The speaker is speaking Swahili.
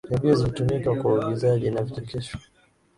redio zilitumika kwa uigizaji na vichekesho